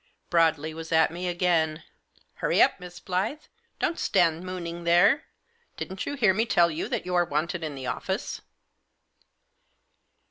Broadley was at me again. * Hurry up, Miss Blyth, don't stand mooning there. Didn't you hear me tell you that you are wanted in the office